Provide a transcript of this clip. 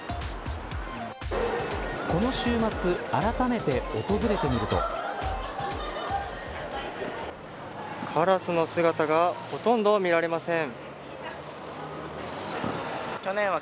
この週末あらためて訪れカラスの姿がほとんど見られません。